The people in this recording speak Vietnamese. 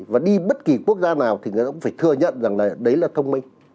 và đi bất kì quốc gia nào thì cũng phải thừa nhận rằng là đấy là thông minh